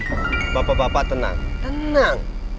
hai bapak bapak tenang tenang